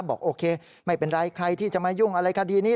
บอกโอเคไม่เป็นไรใครที่จะมายุ่งอะไรคดีนี้